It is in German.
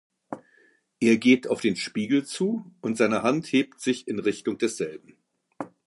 Er geht auf den Spiegel zu und seine Hand hebt sich in Richtung desselben.